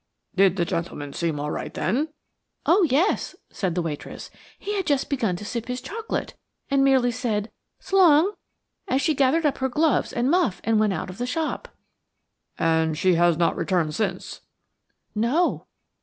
'" "Did the gentleman seem all right then?" "Oh, yes," said the waitress. "He had just begun to sip his chocolate, and merely said 'S'long,' as she gathered up her gloves and muff and then went out of the shop." "And she has not returned since?" "No."